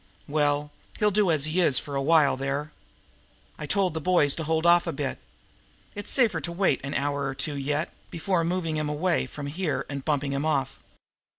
Well, he'll do as he is for a while there. I told the boys to hold off a bit. It's safer to wait an hour or two yet, before moving him away from here and bumping him off."